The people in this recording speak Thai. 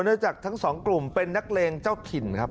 จากทั้งสองกลุ่มเป็นนักเลงเจ้าถิ่นครับ